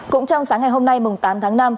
cũng trong sáng ngày hôm nay tám tháng năm